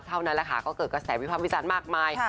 เท่านั้นแหละค่ะก็เกิดกระแสวิภาพวิจารณ์มากมาย